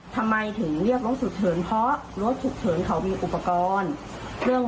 ทำไมถึงเรียกรถฉุกเฉินเพราะรถฉุกเฉินเขามีอุปกรณ์เครื่อง